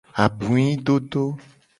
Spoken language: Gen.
Abuidodo.